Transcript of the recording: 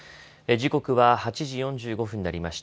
時刻は８時４５分になりました。